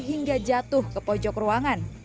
hingga jatuh ke pojok ruangan